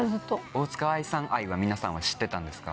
大塚愛さん愛は皆さんは知ってたんですか？